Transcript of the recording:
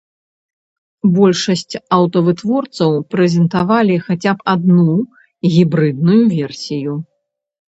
Большасць аўтавытворцаў прэзентавалі хаця б адну гібрыдную версію.